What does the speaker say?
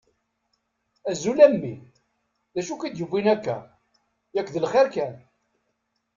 Azul a mmi! D acu i k-id-yuwin akka? Yak d lxir kan.